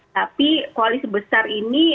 tapi koalisi besar ini